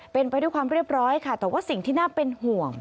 เป็นไปด้วยความเรียบร้อยค่ะแต่ว่าสิ่งที่น่าเป็นห่วง